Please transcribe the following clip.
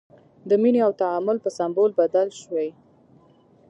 د مینې او تعامل په سمبول بدل شوی.